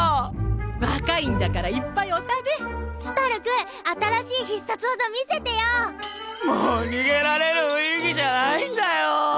若いんだからいっぱいお食べシュタルク新しい必殺技見せもう逃げられる雰囲気じゃないんだよ！